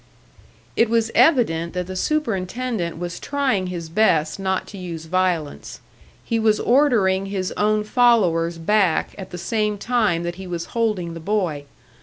It was evident that the superintendent was trying his best not to use violence; he was ordering his own followers back at the same time that he was holding the boy.